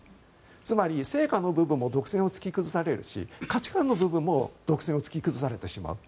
つまり、成果の部分も独占を突き崩されるし価値観の部分も独占を突き崩されてしまう。